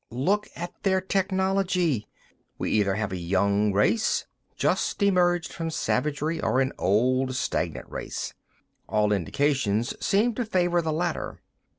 "Look at their technology. We either have a young race, just emerged from savagery, or an old, stagnant race. All indications seem to favor the latter.